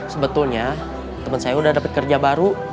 sebetulnya teman saya udah dapat kerja baru